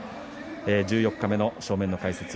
十四日目の正面の解説